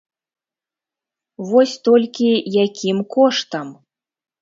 Вось толькі якім коштам?